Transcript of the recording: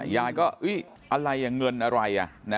ยายก็อะไรเงินอะไร